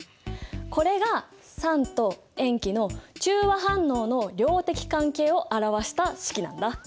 これが酸と塩基の中和反応の量的関係を表した式なんだ。